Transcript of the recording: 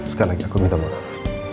sekali lagi aku minta maaf